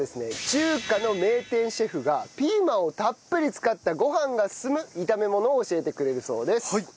中華の名店シェフがピーマンをたっぷり使ったご飯がススム炒め物を教えてくれるそうです。